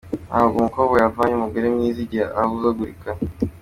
Ntabwo umukobwa yavamo umugore mwiza igihe ahuzagurika .